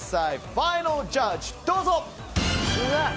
ファイナルジャッジ、どうぞ！